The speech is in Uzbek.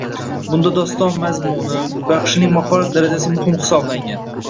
Bunda doston mazmuni, baxshining mahorat darajasi muhim hisoblangan